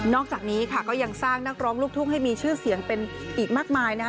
อกจากนี้ค่ะก็ยังสร้างนักร้องลูกทุ่งให้มีชื่อเสียงเป็นอีกมากมายนะฮะ